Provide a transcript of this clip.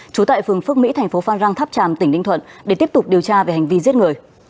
trú tại phường phước mỹ thành phố phan rang tháp tràm tỉnh ninh thuận để tiếp tục điều tra về hành vi giết người